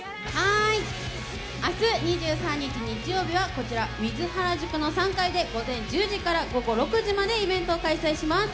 明日２３日、日曜日はこちらＷＩＴＨＨＡＲＡＪＵＫＵの３階で午前１０時から午後６時までイベントを開催します。